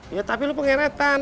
ya tapi lu pengenetan